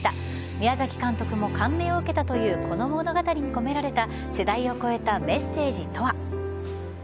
宮崎監督も感銘を受けたというこの物語に込められた世代を超えたメッセージとは。